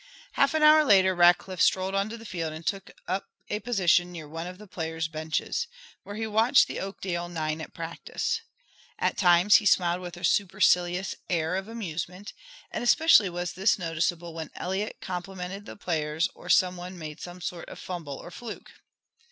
Half an hour later Rackliff strolled onto the field and took up a position near one of the players' benches, where he watched the Oakdale nine at practice. At times he smiled with a supercilious air of amusement, and especially was this noticeable when Eliot complimented the players or some one made some sort of a fumble or fluke.